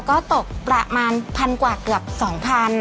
ก็ตกประมาณพันกว่าเกือบ๒๐๐บาท